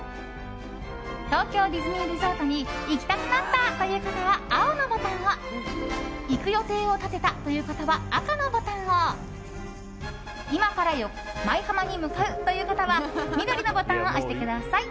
東京ディズニーリゾートに行きたくなったという方は青のボタンを行く予定を立てたという方は赤のボタンを今から舞浜へ向かうという方は緑のボタンを押してください。